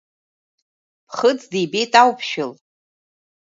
Ԥхыӡ дибеит Ауԥшәыл.